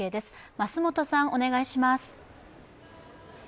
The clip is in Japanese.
桝本さん、お願いします。